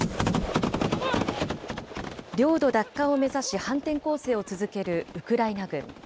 領土奪還を目指し、反転攻勢を続けるウクライナ軍。